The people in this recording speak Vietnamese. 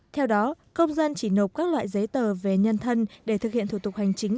theo đó công dân chỉ nộp các loại giấy tờ về nhân thân để thực hiện thủ tục hành chính